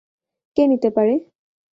কে নিতে পারে?